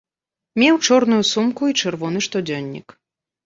Меў чорную сумку і чырвоны штодзённік.